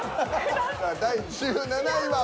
第１７位は。